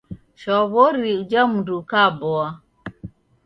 Shwawori uja mndu ukaboa